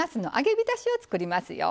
びたしを作りますよ。